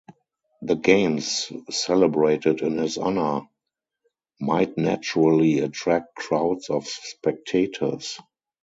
The games celebrated in his honor might naturally attract crowds of spectators.